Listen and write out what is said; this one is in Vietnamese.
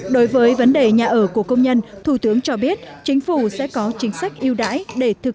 đối với vấn đề nhà ở của công nhân thủ tướng cho biết chính phủ sẽ có chính sách yêu đãi để thực